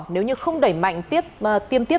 nếu như không đẩy mạnh tiêm tiếp